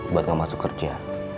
buat gak masuk kerja